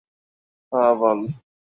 আর এই বান্দা হাসিই থাসাতে পারছে না।